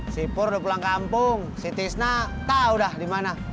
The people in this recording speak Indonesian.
si pur udah pulang kampung si tisna tau dah di mana